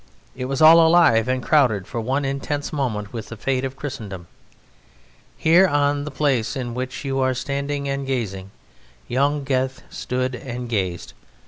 It was all alive and crowded for one intense moment with the fate of Christendom. Here, on the place in which you are standing and gazing, young Goethe stood and gazed.